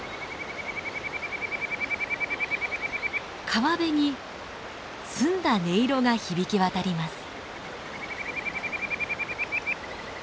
川辺に澄んだ音色が響き渡ります。